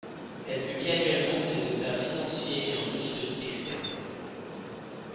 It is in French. Elle publie annuellement ses états financiers et un petit audit externe.